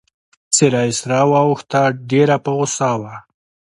څېره يې سره واوښته، ډېره په غوسه وه.